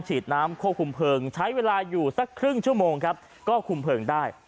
ฉีดน้ำควบคุมเพลิงใช้เวลาอยู่สักครึ่งชั่วโมงครับก็คุมเพลิงได้